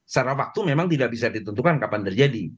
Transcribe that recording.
secara waktu memang tidak bisa ditentukan kapan terjadi